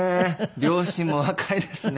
両親も若いですね。